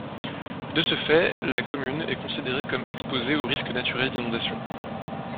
De ce fait la commune est considérée comme exposée au risque naturel d'inondation.